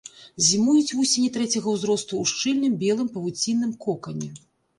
Зімуюць вусені трэцяга ўзросту ў шчыльным белым павуцінным кокане.